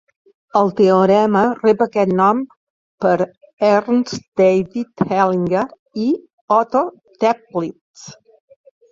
El teorema rep aquest nom per Ernst David Hellinger i Otto Toeplitz.